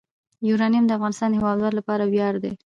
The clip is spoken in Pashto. یورانیم د افغانستان د هیوادوالو لپاره ویاړ دی.